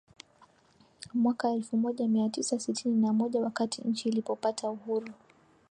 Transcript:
mwaka elfu moja mia tisa sitini na moja wakati nchi ilipopata uhuru